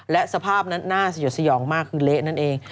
และสภาพนั้นน่าสยดสยองมากคือเละนั่นเอง